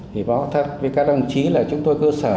thì báo thật với các đồng chí là chúng tôi cơ sở